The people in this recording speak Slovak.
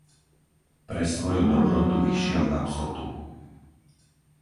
Pre svoju dobrotu vyšiel na psotu.